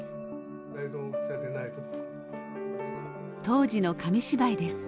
当時の紙芝居です。